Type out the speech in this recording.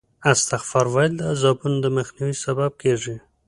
استغفار ویل د عذابونو د مخنیوي سبب کېږي.